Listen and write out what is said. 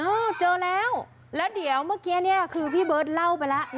เออเจอแล้วแล้วเดี๋ยวเมื่อกี้เนี่ยคือพี่เบิร์ตเล่าไปแล้ว